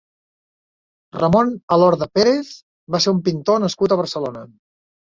Ramon Alorda Pérez va ser un pintor nascut a Barcelona.